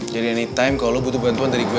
jadi anytime kalau lo butuh bantuan dari gue